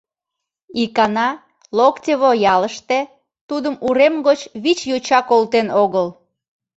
Икана Локтево ялыште тудым урем гоч вич йоча колтен огыл.